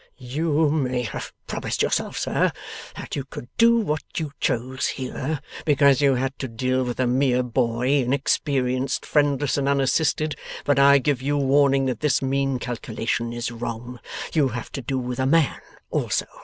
'You may have promised yourself, sir, that you could do what you chose here, because you had to deal with a mere boy, inexperienced, friendless, and unassisted. But I give you warning that this mean calculation is wrong. You have to do with a man also.